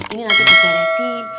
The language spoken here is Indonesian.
ini nanti diberesin